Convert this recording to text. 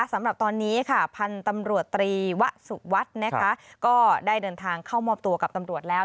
สำหรับตอนนี้ค่ะพันธุ์ตำรวจตรีวะสุวัสดิ์นะคะก็ได้เดินทางเข้ามอบตัวกับตำรวจแล้ว